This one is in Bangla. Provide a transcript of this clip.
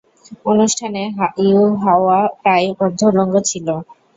অনুষ্ঠানে ইউহাওয়া প্রায় অর্ধউলঙ্গ ছিল।